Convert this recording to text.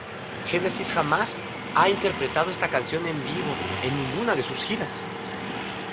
Genesis jamás ha interpretado esta canción en vivo en ninguna de sus giras.